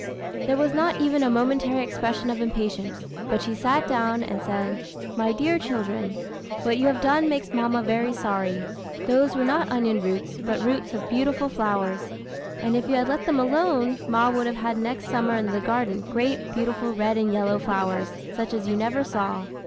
"There was not even a momentary expression of impatience, but she sat down and said, 'My dear children, what you have done makes mamma very sorry; those were not onion roots, but roots of beautiful flowers; and if you had let them alone, ma would have had next summer in the garden, great, beautiful red and yellow flowers, such as you never saw.'